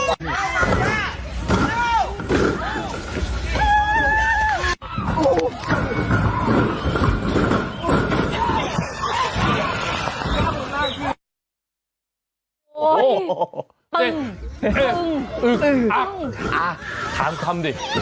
อ่าถามคำดิ